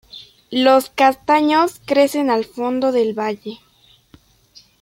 Los castaños crecen al fondo del valle.